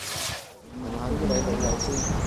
問下呢位老友先